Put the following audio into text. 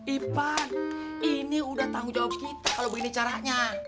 ivan ini udah tanggung jawab kita kalau begini caranya